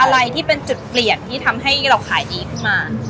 อะไรที่เป็นสอบปลอดภัยที่ทำให้เราขายได้ขึ้นมา